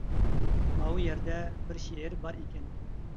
ماۋۇ يەردە بىر شېئىر بار ئىكەن.